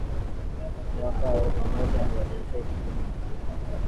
Mwaka wa elfu moja mia tisa ishirini na sita